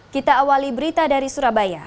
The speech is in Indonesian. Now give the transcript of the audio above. kita awali berita dari surabaya